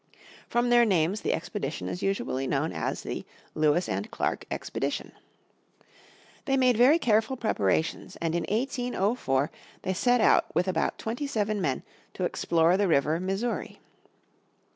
From their names the expedition is usually known as the Lewis and Clark Expedition. They made very careful preparations and in 1804 they set out with about twenty seven men to explore the river Missouri.